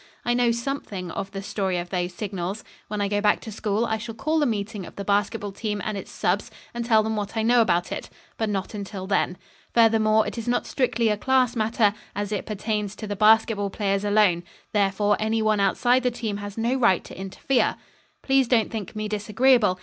I know something of the story of those signals. When I go back to school I shall call a meeting of the basketball team and its subs. and tell them what I know about it; but not until then. Furthermore it is not strictly a class matter, as it pertains to the basketball players alone. Therefore any one outside the team has no right to interfere. Please don't think me disagreeable.